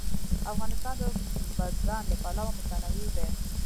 افغانستان د بزګان له پلوه متنوع دی.